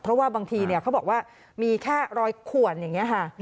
เพราะว่าบางทีเขาบอกว่ามีแค่รอยขวนอย่างนี้ค่ะ